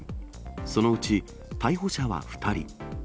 そのうち逮捕者は２人。